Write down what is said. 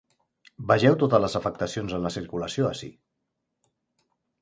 Vegeu totes les afectacions en la circulació ací.